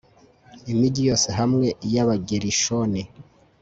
imigi yose hamwe y'abagerishoni